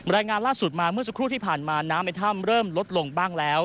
รายงานล่าสุดมาเมื่อสักครู่ที่ผ่านมาน้ำในถ้ำเริ่มลดลงบ้างแล้ว